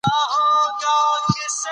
خلک د وخت ضایع کول ښه نه ګڼي.